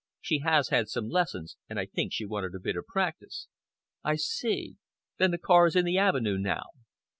She has had some lessons, and I think she wanted a bit of practice." "I see. Then the car is in the avenue now?"